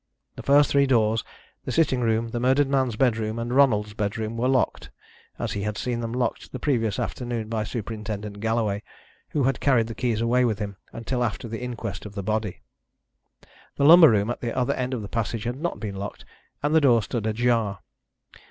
The first three doors the sitting room, the murdered man's bedroom, and Ronald's bedroom were locked, as he had seen them locked the previous afternoon by Superintendent Galloway, who had carried the keys away with him until after the inquest on the body. The lumber room at the other end of the passage had not been locked, and the door stood ajar.